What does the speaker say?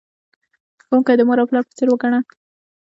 ښوونکی د مور او پلار په څیر وگڼه.